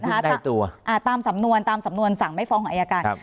เพิ่งได้ตัวอ่าตามสำนวนตามสำนวนสั่งไม่ฟ้องของไออาการครับ